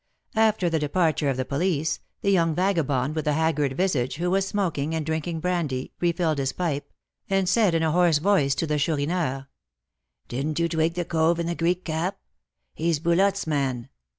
After the departure of the police, the young vagabond with the haggard visage, who was smoking and drinking brandy, refilled his pipe, and said in a hoarse voice to the Chourineur: "Didn't you 'twig' the 'cove' in the Greek cap? He's Boulotte's man.